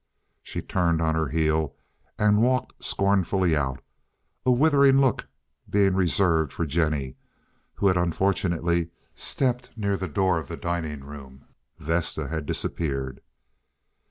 She turned on her heel and walked scornfully out, a withering look being reserved for Jennie, who had unfortunately stepped near the door of the dining room. Vesta had disappeared.